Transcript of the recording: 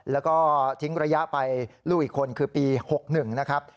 แล้วก็ทิ้งระยะไปลูกอีกคนคือปี๖๑นะครับ